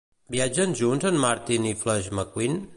Viatgen junts en Martin i Flash McQueen?